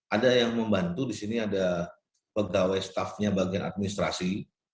ada yang membantu di sini ada pegawai staffnya bagian administrasi